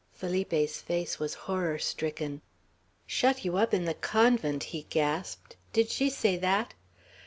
Felipe's face was horror stricken. "Shut you in the convent!" he gasped. "Did she say that?